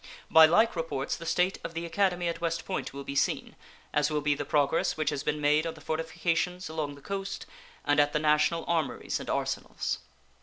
By like reports the state of the Academy at West Point will be seen, as will be the progress which has been made on the fortifications along the coast and at the national armories and arsenals.